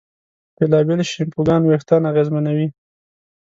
بېلابېل شیمپوګان وېښتيان اغېزمنوي.